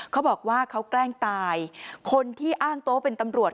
เขาบอกว่าเขาแกล้งตายคนที่อ้างตัวเป็นตำรวจ